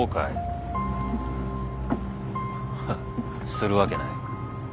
フッするわけない。